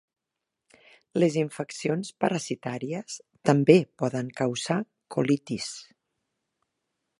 Les infeccions parasitàries també poden causar colitis.